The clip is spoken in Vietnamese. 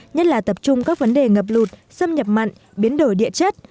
nhất là tập trung các vấn đề ngập lụt xâm nhập mặn biến đổi địa chất